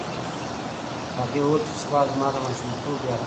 هغې وویل چې سوات زما د ماشومتوب یادګار دی.